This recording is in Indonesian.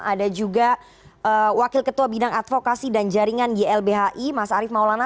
ada juga wakil ketua bidang advokasi dan jaringan ylbhi mas arief maulana